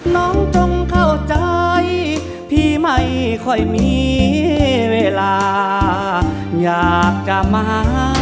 น้องจงเข้าใจพี่ไม่ค่อยมีเวลาอยากจะมา